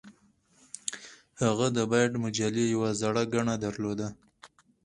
هغه د بایټ مجلې یوه زړه ګڼه درلوده